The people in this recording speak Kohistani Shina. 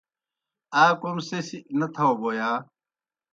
آ کوْم سہ سیْ نہ تھاؤ بوْ یا؟